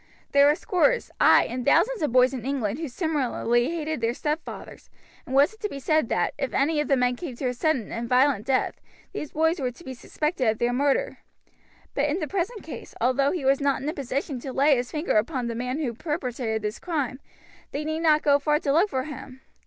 There were scores, ay and thousands of boys in England who similarly hated their stepfathers, and was it to be said that, if any of the men came to a sudden and violent death, these boys were to be suspected of their murder. But in the present case, although he was not in a position to lay his finger upon the man who perpetrated this crime, they need not go far to look for him.